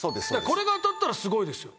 これが当たったらすごいですよ。